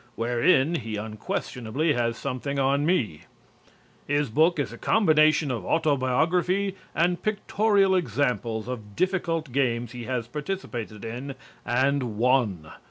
Wherein he unquestionably has something on me. His book is a combination of autobiography and pictorial examples of difficult games he has participated in and won.